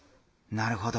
なるほど。